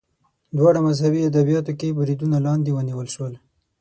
دواړه مذهبي ادبیاتو کې بریدونو لاندې ونیول شول